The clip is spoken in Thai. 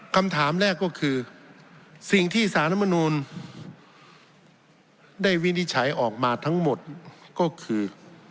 คำถามแรกก็คือสิ่งที่สารมนูลได้วินิจฉัยออกมาทั้งหมดก็คือ